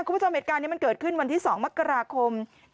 คุณผู้ชมเหตุการณ์นี้มันเกิดขึ้นวันที่๒มกราคม